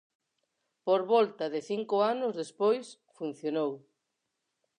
Por volta de cinco anos despois, funcionou.